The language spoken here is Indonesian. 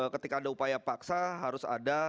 ketika ada upaya paksa harus ada